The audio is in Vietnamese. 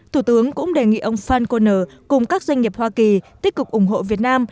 thủ tướng cũng đề nghị ông phan kon cùng các doanh nghiệp hoa kỳ tích cực ủng hộ việt nam